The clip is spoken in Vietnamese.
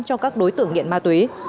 cho các đối tượng nghiện ma túy